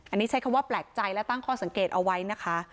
อันนี้ใช้คำว่าแปลกใจและตั้งข้อสังเกตเอาไว้นะคะ